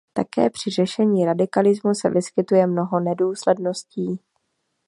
Také při řešení radikalismu se vyskytuje mnoho nedůsledností.